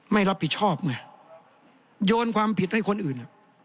ไม่รับผิดชอบไงโยนความผิดให้คนอื่น